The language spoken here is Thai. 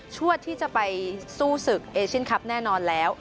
วดที่จะไปสู้ศึกเอเชียนคลับแน่นอนแล้ว